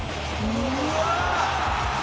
「うわ！」